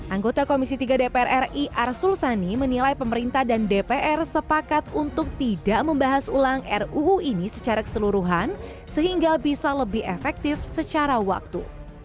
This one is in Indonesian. anggota komisi tiga dpr ri arsul sani menilai pemerintah dan dpr sepakat untuk tidak membahas ulang ruu ini secara keseluruhan sehingga bisa lebih efektif secara waktu